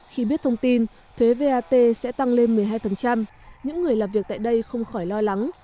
khi biết thông tin thuế vat sẽ tăng lên một mươi hai những người làm việc tại đây không khỏi lo lắng